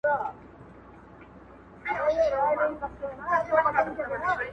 په سل گونو ستا په شان هلته نور خره دي -